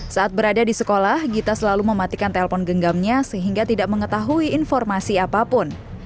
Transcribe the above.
saat berada di sekolah gita selalu mematikan telpon genggamnya sehingga tidak mengetahui informasi apapun